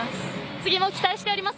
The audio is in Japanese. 次も期待しております。